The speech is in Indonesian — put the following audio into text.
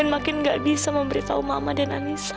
dan makin gak bisa memberitahu mama dan anissa